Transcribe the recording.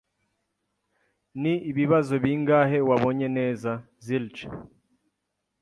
"Ni ibibazo bingahe wabonye neza?" "Zilch."